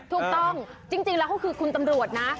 ถูกต้องจริงแล้วเขาคือคุณตำรวจนะ